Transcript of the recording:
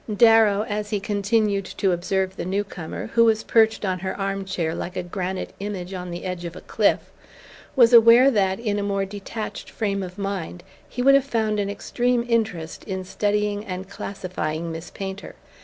Darrow, as he continued to observe the newcomer, who was perched on her arm chair like a granite image on the edge of a cliff, was aware that, in a more detached frame of mind, he would have found an extreme interest in studying and classifying Miss Painter.